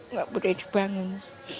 nggak boleh dibangun